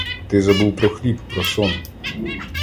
Ти забув про хліб, про сон.